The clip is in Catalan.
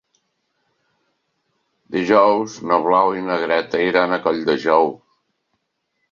Dijous na Blau i na Greta iran a Colldejou.